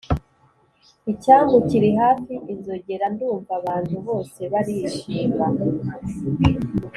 icyambu kiri hafi, inzogera ndumva, abantu bose barishima,